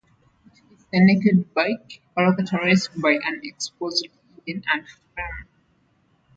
It is a naked bike, characterized by an exposed engine and frame.